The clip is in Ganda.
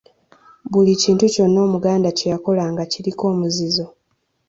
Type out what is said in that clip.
Buli kintu kyonna Omuganda kye yakolanga kiriko omuzizo